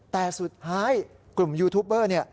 แต่สุดท้ายกลุ่มยูทูปเบอร์เนี่ย